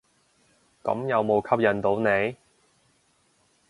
咁有無吸引到你？